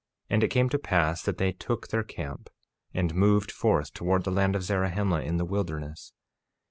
48:6 And it came to pass that they took their camp, and moved forth toward the land of Zarahemla in the wilderness.